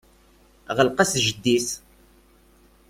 Ɣleq-as jeddi-s.